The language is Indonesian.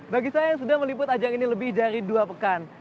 bagi saya yang sudah meliput ajang ini lebih dari dua pekan